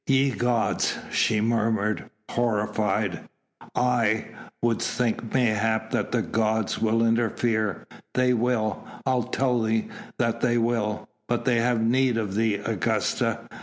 "Ye gods!" she murmured, horrified. "Aye! wouldst think mayhap that the gods will interfere? They will? I tell thee that they will! but they have need of thee, Augusta!